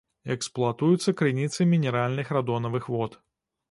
Эксплуатуюцца крыніцы мінеральных радонавых вод.